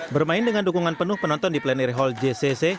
bermain dengan dukungan penuh penonton di plenary hall jcc